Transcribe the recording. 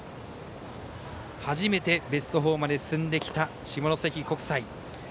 初めてベスト４まで進んできた下関国際。